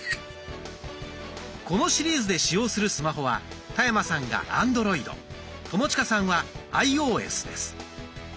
このシリーズで使用するスマホは田山さんがアンドロイド友近さんはアイオーエスです。